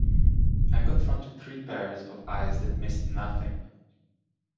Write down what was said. I confronted three pairs of eyes that missed nothing.